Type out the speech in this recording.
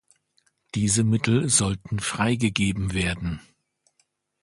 Diese Mittel sollten freigegeben werden.